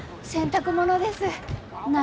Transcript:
洗濯物です。